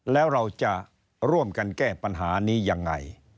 แล้วเราจะร่วมกันแก้ปัญหานี้ยังไง